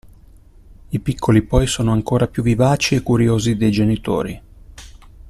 I piccoli poi sono ancora più vivaci e curiosi dei genitori.